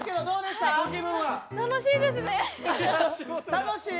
楽しい？